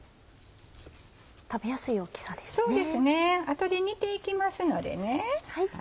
後で煮ていきますのでね。